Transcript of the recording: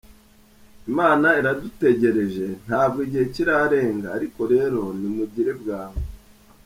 Imana iradutegereje, ntabwo igihe kirarenga, ariko rero nimugire bwangu.